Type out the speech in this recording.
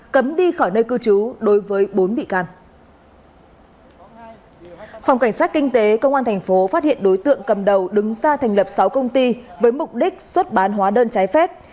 các kinh tế công an thành phố phát hiện đối tượng cầm đầu đứng xa thành lập sáu công ty với mục đích xuất bán hóa đơn trái phép